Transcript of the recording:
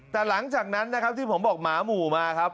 แต่หลังจากนั้นนะครับที่ผมบอกหมาหมู่มาครับ